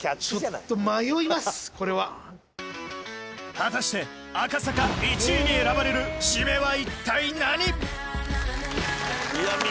果たして赤坂１位に選ばれるシメは一体何？